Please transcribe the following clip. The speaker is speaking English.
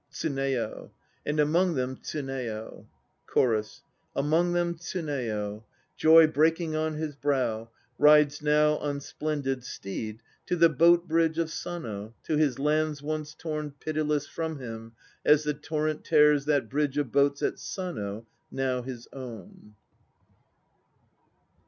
TSUNEYO. And among them Tsuneyo CHORUS. Among them Tsuneyo, Joy breaking on his brow, Rides now on splendid steed To the Boat bridge of Sano, to his lands once torn Pitiless from him as the torrent tears That Bridge of Boats at Sano now his own.